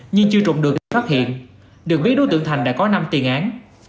nhưng chưa trụng được được phát hiện được biết đối tượng thành đã có năm tiền án